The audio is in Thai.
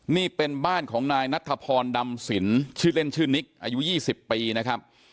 นี่เป็นบ้านของนายนัทธพรดำสินชื่อเล่นชื่อนิกอายุ๒๐ปีนะครับ